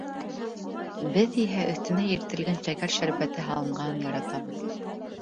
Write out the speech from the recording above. Беҙ иһә өҫтөнә иретелгән шәкәр шәрбәте һалынғанын яратабыҙ.